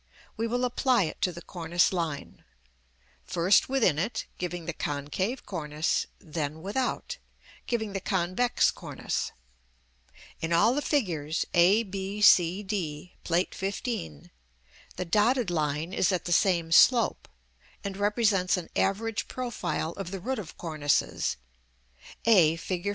we will apply it to the cornice line; first within it, giving the concave cornice, then without, giving the convex cornice. In all the figures, a, b, c, d, Plate XV., the dotted line is at the same slope, and represents an average profile of the root of cornices (a, Fig.